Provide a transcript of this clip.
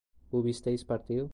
¿hubisteis partido?